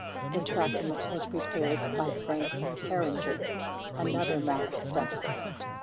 This document was prepared by Frank Herringer, another Malek staffer.